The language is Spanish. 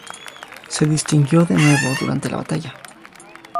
Se distinguió de nuevo durante la batalla.